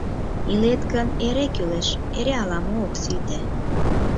Илет гын, эре кӱлеш, эре ала-мо ок сите.